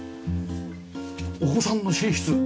お子さんの寝室？